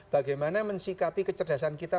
bagaimana mensikapi kecerdasan kita